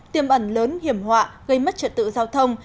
tiêm ẩn lớn hiểm họa gây mất trật tự giao thông